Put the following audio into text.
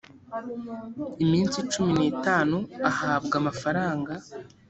iminsi cumi n itanu ahabwa amafaranga